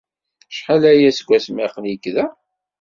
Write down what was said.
Acḥal aya seg wasmi ay aql-ik da?